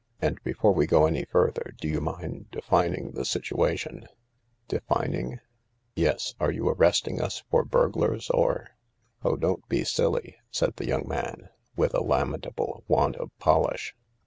" And before we go any further, do you mind defining the situation ?"" Defining ?..." "Yes. Are you arresting us for burglars, or "" Oh, don't be silly 1 " said the young man, with a lament able want of polish.